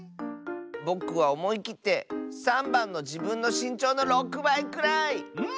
ぼくはおもいきって３ばんの「じぶんのしんちょうの６ばいくらい」！